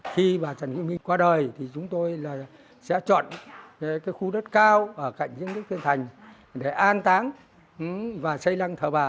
khi bà trấn quốc minh qua đời thì chúng tôi sẽ chọn cái khu đất cao ở cạnh những cái phương thành để an táng và xây lăng thờ bà